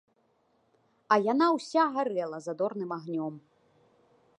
А яна ўся гарэла задорным агнём.